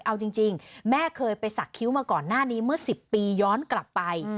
เอาจริงแม่เคยไปสักคิ้วมาก่อนหน้านี้เมื่อ๑๐ปีย้อนกลับไป